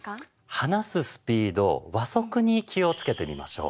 話すスピード「話速」に気をつけてみましょう。